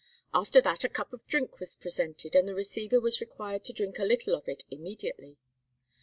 After that a cup of drink was presented, and the receiver was required to drink a little of it immediately.